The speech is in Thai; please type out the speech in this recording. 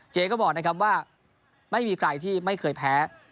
เจ๊ก็บอกนะครับว่าไม่มีใครที่ไม่เคยแพ้